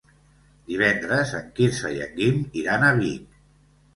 Divendres en Quirze i en Guim iran a Vic.